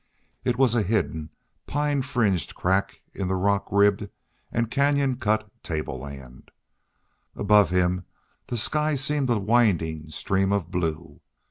It was a hidden, pine fringed crack in the rock ribbed and canyon cut tableland. Above him the sky seemed a winding stream of blue.